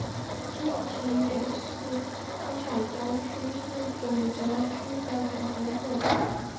目前也是上海教区市区总铎区的总铎座堂。